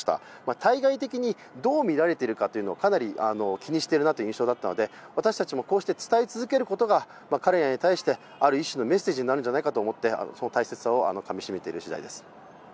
対外的にかなり、気にしているなという印象だったので私たちも伝え続けることが彼らに対してある種のメッセージになるんじゃないかと思ってその大切さをかみしめている次第です。